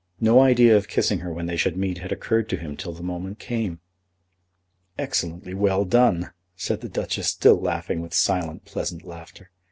No idea of kissing her when they should meet had occurred to him till the moment came. "Excellently well done," said the Duchess, still laughing with silent pleasant laughter.